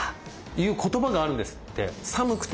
いう言葉があるんですって。